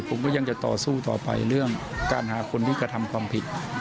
ผมก็ยังจะต่อสู้ต่อไปเรื่องการหาคนที่กระทำความผิด